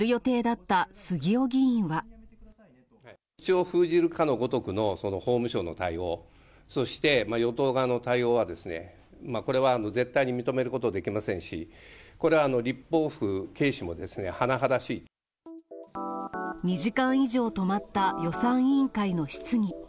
口を封じるかのごとくの法務省の対応、そして、与党側の対応はですね、これは絶対に認めることできませんし、２時間以上止まった予算委員会の質疑。